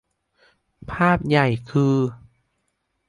ภาพใหญ่คือ